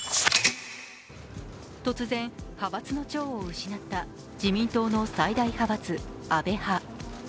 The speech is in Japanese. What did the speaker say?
突然、派閥の長を失った自民党の最大派閥・安倍派。